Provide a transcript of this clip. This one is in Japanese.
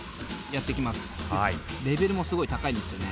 レベルもすごい高いんですよね。